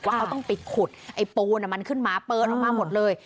ว่าเขาต้องปิดข่ดไอโปนเนี่ยมันขึ้นมาเปิ๊ชออกมาหมดเลย